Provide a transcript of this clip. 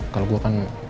kalau gue kan